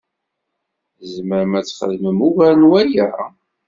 Tzemrem ad txedmem ugar n waya?